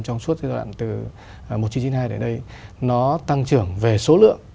trong suốt giai đoạn từ một nghìn chín trăm chín mươi hai đến đây nó tăng trưởng về số lượng